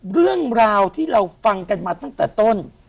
เรื่องราวที่เราฟังกันมาตั้งแต่ต้น